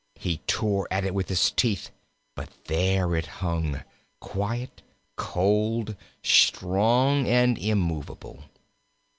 He tore at it with his teeth; but there it hung, quiet, cold, strong, and immovable.